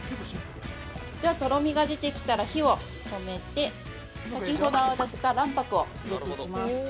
◆とろみが出てきたら火を止めて先ほど泡立てた卵白を入れていきます。